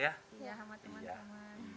iya sama teman teman